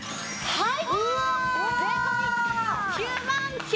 はい！